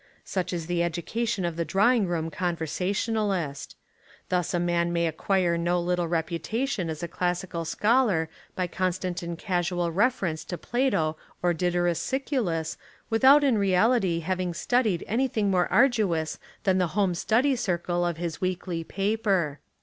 Such is the education of the drawing room conversa tionalist. Thus a man may acquire no little reputation as a classical scholar by constant and casual reference to Plato or Diodorus Siculus without in reality having studied any thing more arduous than the Home Study Cir cle of his weekly paper.